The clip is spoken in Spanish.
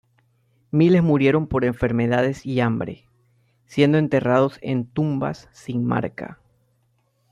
Miles murieron por enfermedades y hambre, siendo enterrados en tumbas sin marca.